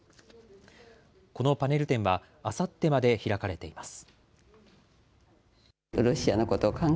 このパネル展はあさってまで開かれています。